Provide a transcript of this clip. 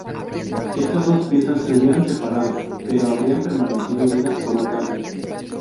Estas dos piezas se hubieran separado pero habrían permanecido unidas por un cable.